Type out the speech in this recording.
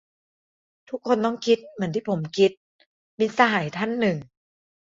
"ทุกคนต้องคิดเหมือนที่ผมคิด" - มิตรสหายท่านหนึ่ง